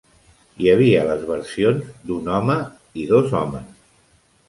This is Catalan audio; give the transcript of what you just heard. Hi havia les versions d'un home i dos homes.